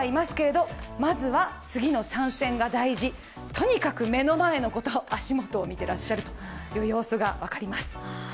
とにかく目の前のこと、足元を見ていらっしゃる様子が分かります。